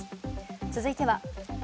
続いては。